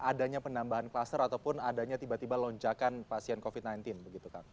adanya penambahan kluster ataupun adanya tiba tiba lonjakan pasien covid sembilan belas begitu kang